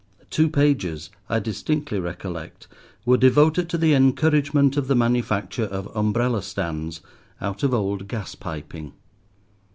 Two pages, I distinctly recollect, were devoted to the encouragement of the manufacture of umbrella stands out of old gaspiping.